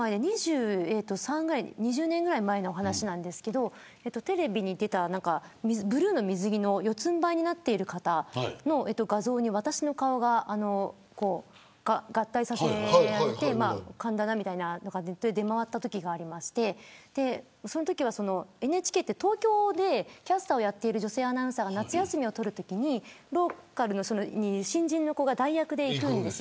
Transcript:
２０年ぐらい前の話なんですがテレビに出たブルーの水着の四つんばいになっている方の画像に私の顔が合体させられて神田だみたいなのがネットで出回ったときがありましてそのときＮＨＫは東京でキャスターをやっている女性アナウンサーが夏休みを取るときにローカルの新人の子が代役で行くんです。